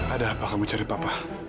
ada apa kamu cari papa